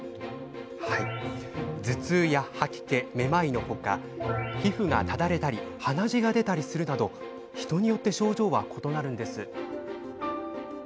頭痛や吐き気、めまいの他皮膚がただれたり鼻血が出たりするなど人によって症状は異なります。